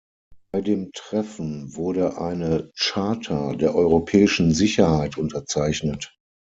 Bei dem Treffen wurde eine Charta der europäischen Sicherheit unterzeichnet.